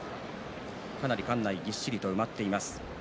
かなり館内ぎっしりと埋まっています。